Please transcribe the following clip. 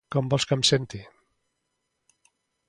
Com vols que em senti?